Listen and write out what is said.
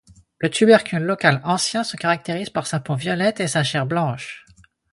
Le tubercule local ancien se caractérise par sa peau violette et sa chair blanche.